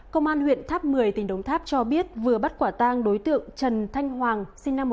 công an huyện tháp một mươi tỉnh đống tháp cho biết vừa bắt quả tang đối tượng trần thanh hoàng sinh năm một nghìn chín trăm tám mươi